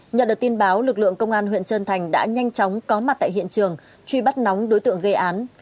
nhận được tin báo lực lượng công an huyện trân thành đã nhanh chóng có mặt tại hiện trường truy bắt nóng đối tượng gây án